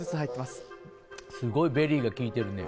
すごいベリーが効いてるね。